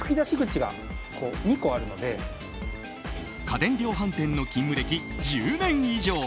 家電量販店の勤務歴１０年以上。